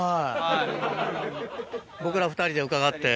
僕ら２人で伺って。